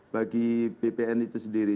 bagi bpn itu sendiri